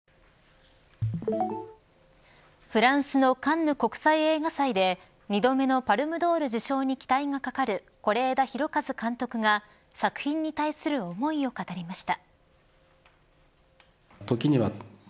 フランスのカンヌ国際映画祭で２度目のパルム・ドール受賞に期待がかかる是枝裕和監督が作品に対する思いを語りました。